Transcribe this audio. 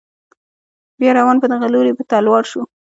بیا روان په دغه لوري په تلوار شو.